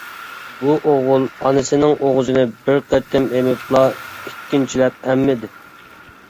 بۇ ئوغۇل ئانىسىنىڭ ئوغۇزىنى بىر قېتىم ئېمىپلا، ئىككىنچىلەپ ئەممىدى.